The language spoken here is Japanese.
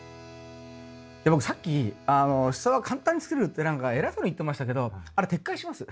僕さっきシソは簡単に作れるって何か偉そうに言ってましたけどあれ撤回します。